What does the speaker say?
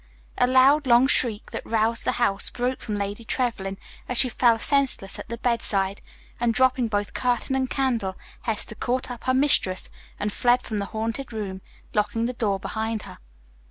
A loud, long shriek that roused the house broke from Lady Trevlyn as she fell senseless at the bedside, and dropping both curtain and candle Hester caught up her mistress and fled from the haunted room, locking the door behind her.